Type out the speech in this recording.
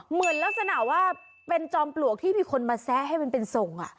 เหมือนลักษณะว่าเป็นจอมปลวกที่มีคนมาแซะให้มันเป็นทรง